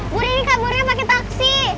burini kaburnya pake taksi